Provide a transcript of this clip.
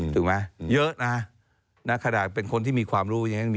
ถูกไหมเยอะนะขนาดเป็นคนที่มีความรู้